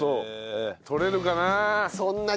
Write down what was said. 採れるかな？